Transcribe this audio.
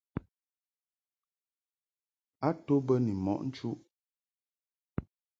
A to mbə ni mɔʼ nchuʼ.